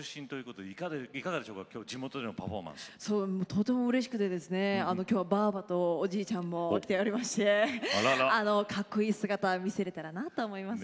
とてもうれしくてですね今日はばぁばとおじいちゃんも来ておりましてかっこいい姿見せれたらなと思います。